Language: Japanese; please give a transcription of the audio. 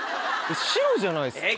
白じゃないですか。